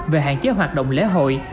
về hạn chế hoạt động lễ hội